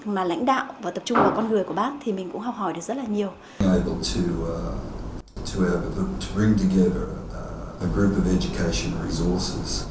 mà lãnh đạo và tập trung vào con người của bác